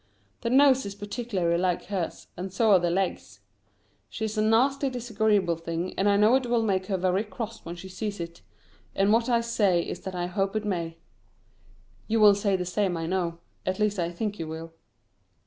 The nose is particularly like hers, and so are the legs. She is a nasty disagreeable thing, and I know it will make her very cross when she sees it; and what I say is that I hope it may. You will say the same I know at least I think you will.